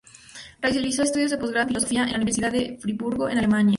Realizó estudios de posgrado en Filosofía en la Universidad de Friburgo en Alemania.